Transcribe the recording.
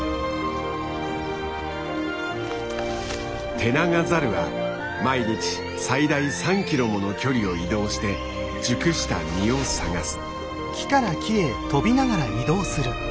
テナガザルは毎日最大３キロもの距離を移動して熟した実を探す。